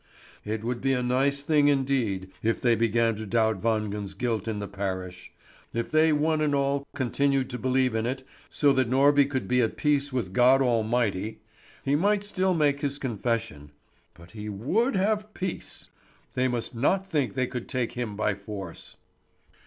It would be a nice thing indeed if they began to doubt Wangen's guilt in the parish. If they one and all continued to believe in it, so that Norby could be at peace with God Almighty, he might still make his confession. But he would have peace. They must not think they could take him by force.